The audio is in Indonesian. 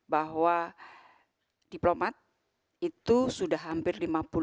bahwa diplomat itu sudah hampir lima puluh